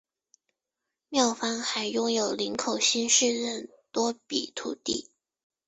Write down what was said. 庙方还拥有林口新市镇多笔土地。